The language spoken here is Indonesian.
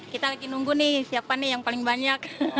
kita lagi nunggu nih siapa nih yang paling banyak